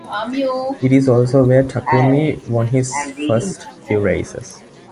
It is also where Takumi won his first few races.